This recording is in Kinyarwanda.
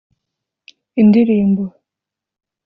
indirimbo